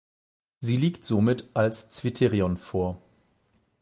Sie liegt somit als Zwitterion vor.